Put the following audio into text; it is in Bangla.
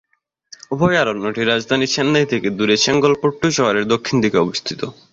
অভয়ারণ্যটি রাজধানী চেন্নাই থেকে দূরে চেঙ্গলপট্টু শহরের দক্ষিণ দিকে অবস্থিত।